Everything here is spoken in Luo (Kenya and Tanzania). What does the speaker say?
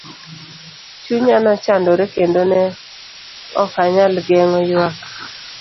Chunya nochandore kendo ne okanyal geng'o ywak.